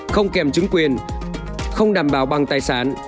không kèm chứng quyền không đảm bảo bằng tài sản